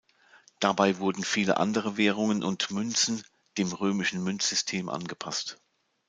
Dabei wurden viele andere Währungen und Münzen dem römischen Münzsystem angepasst.